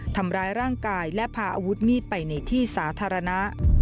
ทำร้ายร่างกายและพาอาวุธมีดไปในที่สาธารณะ